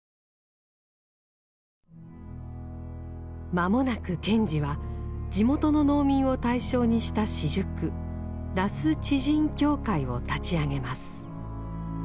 まもなく賢治は地元の農民を対象にした私塾「羅須地人協会」を立ち上げます。